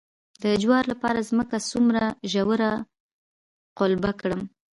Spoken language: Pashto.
د جوارو لپاره ځمکه څومره ژوره قلبه کړم؟